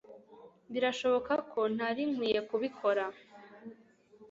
birashoboka ko ntari nkwiye kubikora